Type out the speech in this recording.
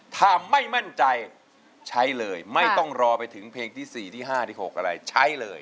ถ้าไม่มั่นใจใช้เลยไม่ต้องรอไปถึงเพลงที่๔ที่๕ที่๖อะไรใช้เลย